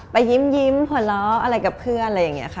ไปยิ้มหัวเราะอะไรกับเพื่อนอะไรอย่างนี้ค่ะ